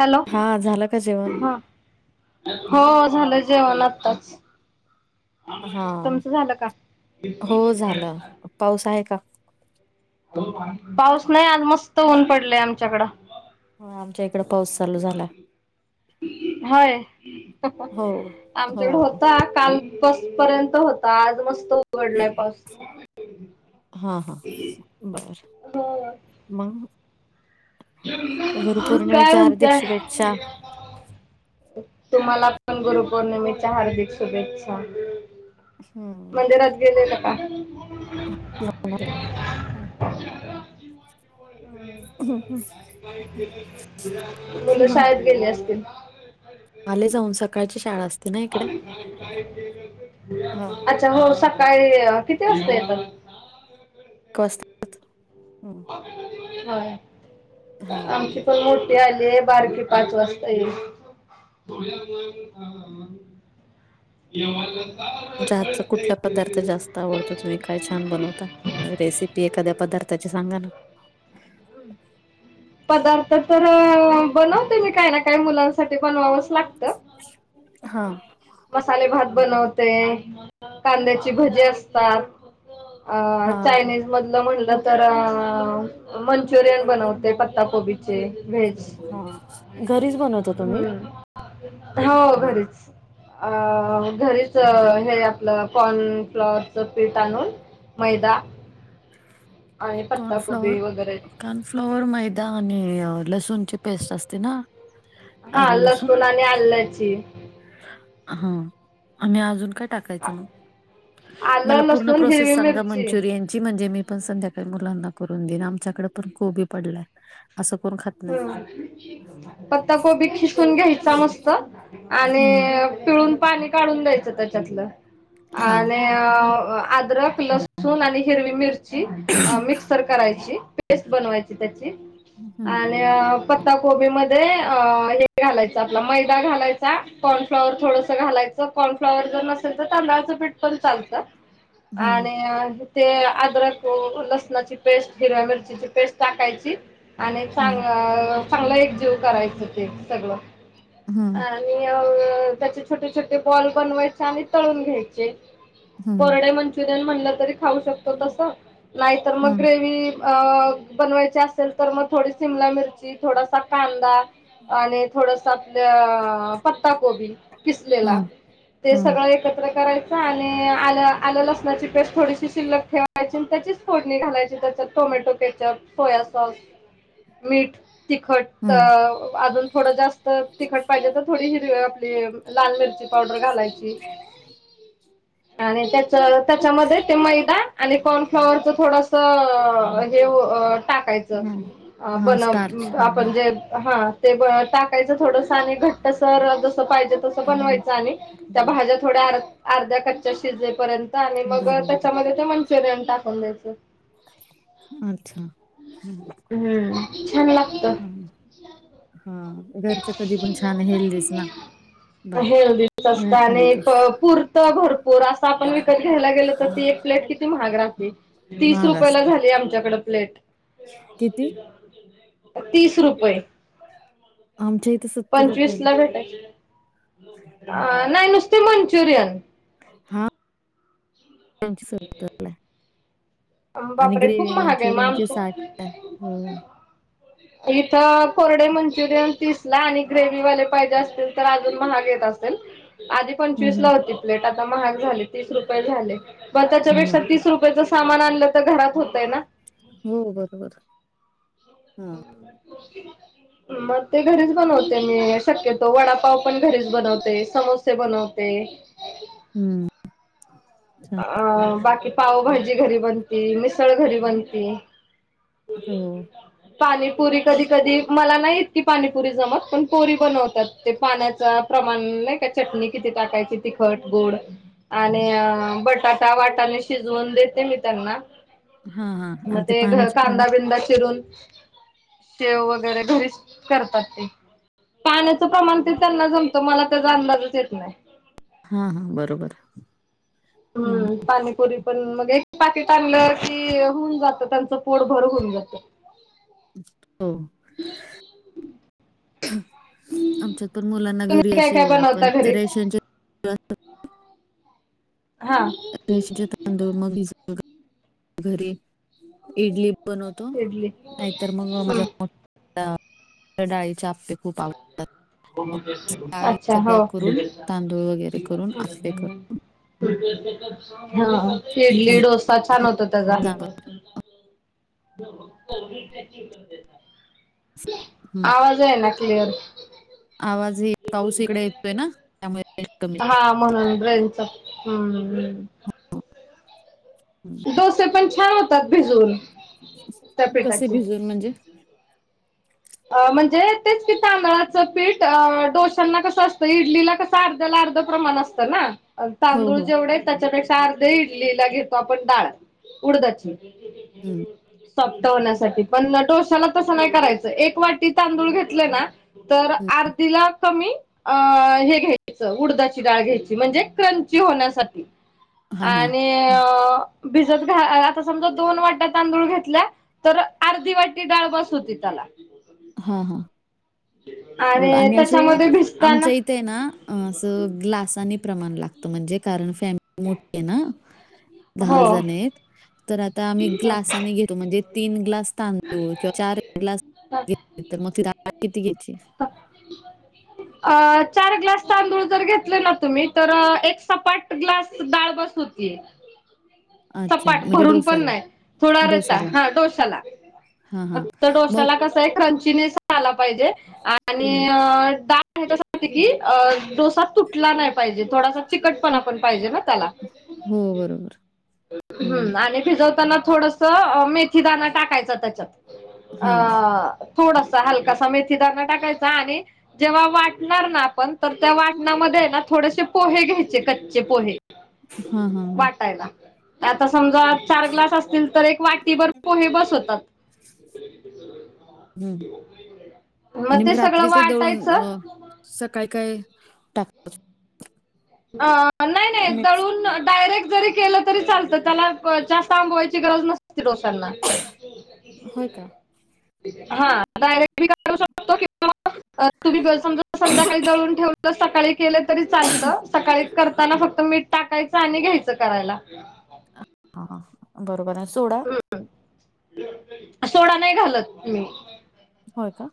Hello! हा झालं का जेवण हां, हो झालं जेवण आत्ताच. हा तुमचं झालं का? हो झालं पाऊस आहे का? पाऊस नाही आज, मस्त ऊन पडलय आमच्याकडं. हां आमच्या इकडं पाऊस चालू झाला. व्हय, हो आमच्याकडं हो होता काल. बस पर्यंत होता, आज मस्त उघडलाय पाऊस हा हा बर, हो मंग? काय हार्दिक म्हणताय? शुभेच्छा तुम्हाला पण गुरुपौर्णिमेच्या हार्दिक शुभेच्छा. हम्म मंदिरात गेलेला का? जाऊन आले,, हो. ह्म्म ह्म्म. मुलं हम्म. शाळेत गेली असतील? आले जाऊन, सकाळची शाळा अस हा अच्छा हो सकाळी, किती वाजता येतात? ऐक वाजता येतात, हं. होय, आमची पण मोठी आलेय बारकी पाच वाजता येईल. [unintelligible] तुमच्या हातचा कुठला पदार्थ जास्त आवडतो, तुम्ही काय छान बनवता रेसिपी? एखाद्या पदार्थाची सांगा ना. पदार्थ तर बनवते मी काय ना काय मुलांसाठी बनवावंच लाग हा. मसाले भात बनवते, कांद्याची भजी असतात. अ हा चायनीज मधलं म्हटलं, तर मंचुरियन बनवते पत्ता कोबीची. व्हेज हा घरीच बनवता तुम्ही हम्म हो घरीच. अ घरीच हे आपल कॉर्न फ्लॉवरच पीठ आणून मैदा आणि पत्ताकोबी कॉर्नफ्लॉवर वगैरे कर्नफ्लॉवर, मैदा आणि लसूणची पेस्ट असते ना? हा आलं लसूण लसून आणि आल्ल्याची. हा आणि अजून काय टाकायच आ- मग? आलं, मला पूर्ण लसूण, हिरवी प्रोसेस सांगा मिरची. मनचूरीयन ची म्हणजे मी पण संध्याकाळी मुलांना करून देईन. आमच्याकडं पण कोबी पडलायं असं कोण खात नाही हं पत्ता कोबी खिसून घ्यायचा मस्त आणि हम्म पिळून पाणी काढून द्यायचं त्याच्यातलं हा आणि अं आद्रक, लसूण आणि हिरवी मिरची मिक्सर करायची. पेस्ट बनवायची त्याची. हम्म आणि पताकोबीमध्ये अ हे घालायचं आपला मैदा घालायचा. कॉर्नफ्लाॅवर थोडं घालायचं. कॉर्नफ्लाॅवर जर नसेल तर तांदळाचं पीठ पण चालतात हम्म आणि ते अद्रक लसणाची पेस्ट, हिरव्या मिरचीची पेस्ट टाकायची. आणि हम्म चांग-चांगलं एकजीव करायचं ते सगळं. अ हम्म आणि अ त्याचे छोटे छोटे बॉल बनवायचे आणि तळून घ्यायचे. हम्म कोरडे मंचुरियन म्हणलं तरी खाऊ शकतो तसं. नाहीतर मग हम्म ग्रेव्ही अ बनवायची असेल, तर मग थोडी शिमला मिरची, थोडासा कांदा आणि थोडंसं आपल्या पत्ता कोबी किसलेला. हम्म ते हम्म सगळं एकत्र काराय आणि आलं आलं लसणाची पेस्ट थोडीशी शिल्लक ठेवायची आणि त्याचीच फोडणी घालायची. त्याच्यात टोमॅटो पेस्ट त्यात सोयासॉस मीठ, तिखट हम्म अजून थोडं जास्त तिखट पाहिजे तर थोडी हिरवी आपली लाल मिरची पावडर घालायची. आणि त्याच त्याच्यामध्ये ते मैदा आणि कॉर्नफ्लॉवरच थोडंसं हे अ टाकायचं हम्म हा बन स्टार्च हा आपण हा जे हा ते गोळं टाकायचं थोडंस आणि घट्टसर जसं पाहिजे तसं हम्म. बनवायचं आणि त्या हम्म. भाज्या थोड्या आर-अर्ध्या कच्च्या शिजेपर्यंत आणि मग दादा वगैरे. त्याच्यामध्ये ते मंचुरियन टाकून द्यायचं. अच्छा हम्म. हम्म छान लागतं. हम्म हा. घरच कधी पण छान हेल्दीच ना. बा हेल्दीच असतं बाहेर आणि खाण्यापेक्षा पूर त भरपूर. असं आपण विकत घ्यायला गेल तर ती एक प्लेट किती महाग राहाती. तीस महाग रुपयला असते झाली आमच्याकडं प्लेट. किती तीस रुपये. आमच्या इथ सत पंचवीस ला भेटायचे नाही नुसते मंचुरियन. हा. त्यांचे सत्तरला आहे [unintelligible] आणि बापरे खूप ग्रेवी महाग आहे मग मंचुरियनची आमचं साठला हाय हो. इथं कोरडे मंचुरियन तीसला आणि ग्रेवही वाले पाहिजे असतील तर अजून महाग येत असेल. आधी हम्म, पंचवीस ला होती प्लेट आता महाग झाली तीस रुपये झाले. मग हम्म. वा. त्याच्यापेक्षा तीस रुपयाच सामान आणलं तर घरात होतय ना. हो बरोबर हा. मग ते घरीच बनवते मी शक्यतो वडापाव पण घरीच बनवते समो बनवते. हम्म. छान. अ बाकी पावभाजी घरी बनती मिसळ घरी बनती. हो. पाणीपुरी कधी कधी मला नाही इतकी पाणीपुरी जमत पण पोरी बनवत्यात. ते पाण्याचा प्रमाण नाही का चटणी किती टाकायची तिखट गोड आणि बटाटा वाटाने शिजवून देते मी त्यांना. हा हा मग आणि ते घ पाण्याचे प्रमाण कांदा बिंदा चिरून सेव वगैरे घरीच करतात ते. पाण्याचं प्रमाण ते त्यांना जमतं मला त्याचा अंदाजच येत नाही. हा हा बरोबर. हम्म पानीपुरी पण मग एक पाकिट आणलं की होऊन जातं त्यांचं पोट भर होऊन जात. हो. आमच्यात पण मुलांना घरी तुम्ही काय असे काय बनवता आपण घरी रेशनचे हा [unintelligible] बनवतो इडली नाहीतर मग हम्म माझ्या डाळीच्या आपे [unintelligible] [unintelligible] डाळी अच्छा हो सगळ्या करून हा तांदूळ वगैरे करून आप्पे करून इडली डोसा छान होता त्याचा. हम्म आवाज आहे ना क्लिअर? आवाज ह पाऊस इकडे येतोय ना त्यामुळे [unintelligible] हा म्हणून रेंज हम. जास्त डोसे पण छान होतात भिजून. कसे भिजून म्हणजे म्हणजे तेच की तांदळाचं पीठ डोश्यांना कसं असतं इडलीला कसं अर्ध्याला अर्ध प्रमाण असतं ना. हो तांदूळ हो जेवढे त्याच्यापेक्षा अर्धे इडलीला घेतो आपण डाळ उडदा ची. हम्म. सॉफ्टहॊण्यासाठी पण डोश्याला तसं नाही करायचं एक वाटी तांदूळ घेतलं ना तर हम्म. आर्धीला कमी अं हे घ्यायचं उडदाची डाळ घ्यायची म्हणजे क्रंची होण्यासाठी. हा हा आणि अ भिजत घा आता समजा दोन वाट्या तांदूळ घेतल्या तर अर्धी वाटी डाळ बस होती त्याला. हा हा. बर आणि असे त्याच्यामध्ये भिजताना आमच्या इ ते ना असं ग्लासानी प्रमाण लागत म्हणजे कारण फॅमि मोठी ना हो दहा जण आहेत तर आता तर आम्ही ग्लासाने घेतो म्हणजे तीन ग्लास तांदूळ किंवा चार ग्लास घेतली तर मग ति डाळ किती घ्यायची? [inaudible] अ चार ग्लास तांदूळ जर घेतले ना तुम्ही तर एक सपाट ग्लास डाळ बस होतीय. अच्छा सपाट म्हणजे भरून पण डोस्याला नाही थोड रट डोस्याला हा डोशाला. हां, हां. फक्त मग डोश्याला कसय क्रंचीनेस आला पाहिजे हं. आणि डाळ ह्याच्या साठी की अ डोसा तुटला नाही पाहिजे थोडासा चिकटपणा पण पाहिजे ना त्याला. हो बरोबर. हं. हम्म आणि भिजवताना थोडस मेथी थी दाना टाकायचा त्याच्यात हां. अ थोडासा हलकासा मेथीदाणा टाकायचा आणि जेव्हा वाटणार ना आपण तर त्या वाट टना मध्ये हाय ना थोडेसे पोहे घ्यायचे कच्चे पोहे हां हां हां. टायला. आता समजा चार ग्लास असतील तर एक वाटी भर पोहे बास होतात. हं. मग आणि ते सगळं रात्री दळून वाटायचं अ, सकाळी काय [unintelligible] अ नाही नाही मिक्स दळून डायरेक्ट जरी केलं तरी चालत त्याला जास्त आंबवायची गरज नसति डोस्यांना. होय का? हा डायरेक्ट बी कारु शकतो किंवा मग तुम्ही समजा संध्याकाळी दळून ठेवलं, सकाळी केलं तरी चालतं. सकाळी करताना फक्त मीठ टाकायचं आणि घ्यायचं करायला. हा बरोबर आहे सोडा? सोडा नाही घालत मी. होय का?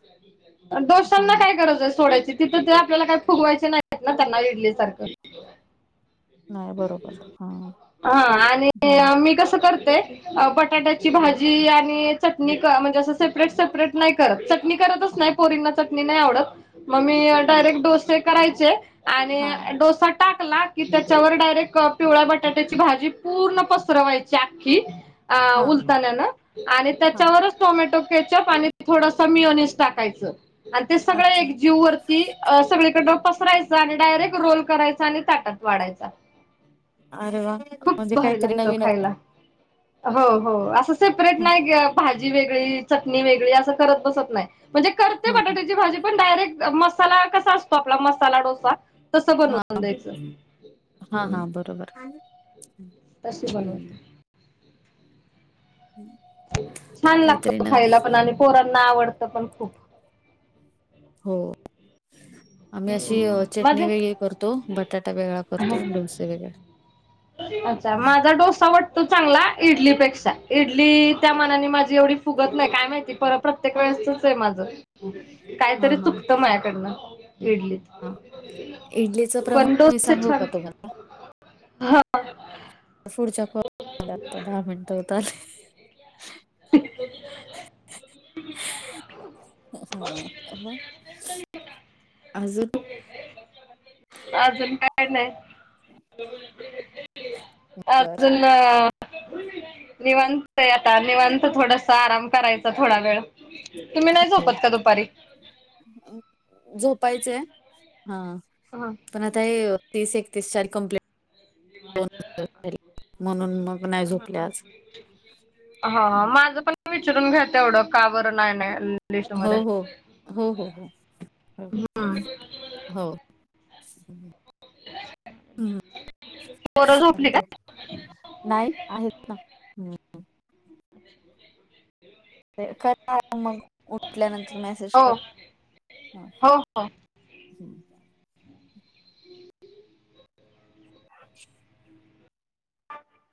हां, डोस्यांना हां. काय गरजय सोड्याची तिथं ते आपल्याला काय फुगवायचे नाहीत ना त्यांना इडली सारखं. नाही बरोबर. हां. हा आणि हां. मी कसं करते बटाट्याची भाजी आणि चटणी म्हणजे असं सेपरेट सेपरेट नाही करत चटणी करतच नाही पोरींना चटणी नाही आवडत. मग मी हां, डायरेक्ट डोसे करायचे आणि हां, डोसा टाकला की त्या त्याच्यावर डायरेक्ट पिवळ्या बटाट्याची भाजी पूर्ण पसरवायची आख्खी अ हां, उलतन्यान आणि हां. त्याच्यावरच टोमॅटो केचप आणि थोडसं मिऑनिस्ट टाकायचं. आणि ते सगळं अच्छा. एक जीव वरती अ सगळीकडन पसराय च आणि डायरेक्ट रोल करायचा आणि ताटात वाढायचा. अरे वा खूप म्हणजे भारी काहीतरी लागतं नवीनच खायला हो हो असं सेपरेट हं. नाहीगं भाजी वेगळी, चटणी वेगळी असं करत बसत नाही. म्हणजे करते हं, हं. बटाट्याची भाजी पण डायरेक्ट मसाला कसा असतो आपला मसाला डोसा तसं बनवून द्यायचं. हा. हा. बर. बर. तसे बनवत- छान काहीतरी लागतं नवीन. खायला पण आणि पोरांना आवडतं पण खूप हो. आम्ही अशी हम्म, चटणी माझे वेगळी करतो. बटाटा वेगळा करतो, डोसे वेगळे. अच्छा माझा डोसा वट- तो चांगला इडलीपेक्षा इडली त्या मनाने माझी एवढी फुगत नाहीय काय माहिती परत प्रत्येक वेळेसचच आहे माझं हां, काहीतरी चुकतं माझ्याकडनं इडलीत. हा इडलीचं प्रमाण मी सांगू का तुम्हाला? हा. पुढच्या कॉल द्या आता दहा मिनिट होत आली. [unintelligible] हा मग अजून अजून काय नाही बरं अजून अ निवांत आहे आता निवांत थोडस आता आराम करायचा थोडा वेळ तुम्ही नाही झोपत का दुपारी झोपायचे आहे हा. हां पण आता हे तीस एकतीस चार कंप्लेट [unintelligible] म्हणून मग नाही झोपले आज. हा माझं पण विचारून घ्या तेवढं का बर नाही नाही आल- हो हो हो हो हो हो हम्म हो. [unintelligible] हम् पोरं झोपली का [unintelligible] नाही आहेत ना. हं, [unintelligible] ते मग उठल्यानंतर मेसेज हो कर हा. हो हो हम् [unintelligible]